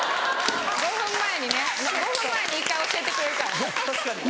５分前にね５分前に１回教えてくれるから。